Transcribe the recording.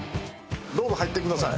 どうぞ入ってください。